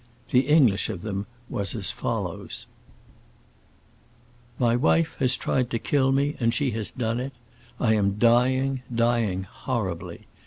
The English of them was as follows:— "My wife has tried to kill me, and she has done it; I am dying, dying horribly.